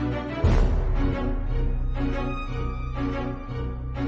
เปลี่ยนถูกเตรียมใส่คนหลังกว่า